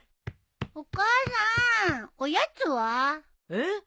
お母さんおやつは？えっ？